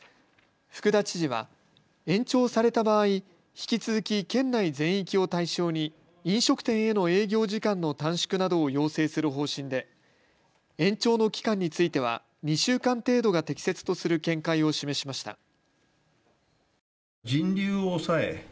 福田知事は延長された場合、引き続き県内全域を対象に飲食店への営業時間の短縮などを要請する方針で延長の期間については２週間程度が適切とする見解を示しました。